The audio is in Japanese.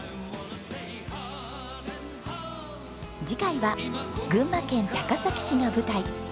次回は群馬県高崎市が舞台。